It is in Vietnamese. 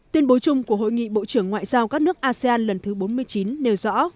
tuyên bố chung của hội nghị bộ trưởng ngoại giao các nước asean lần thứ bốn mươi chín nêu rõ